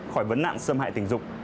khỏi vấn nạn xâm hại tình dục